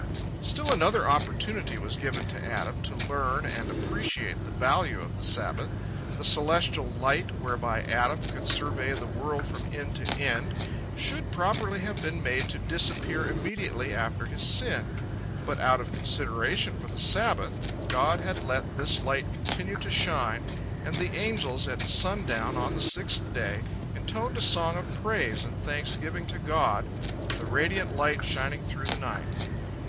Still another opportunity was given to Adam to learn and appreciate the value of the Sabbath. The celestial light, whereby Adam could survey the world from end to end, should properly have been made to disappear immediately after his sin. But out of consideration for the Sabbath, God had let this light continue to shine, and the angels, at sundown on the sixth day, intoned a song of praise and thanksgiving to God, for the radiant light shining through the night.